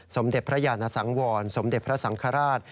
สมเด็จพระยานสังวรสมเด็จพระสังฆราช